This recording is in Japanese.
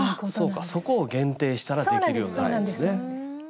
そうかそこを限定したらできるようになるんですね。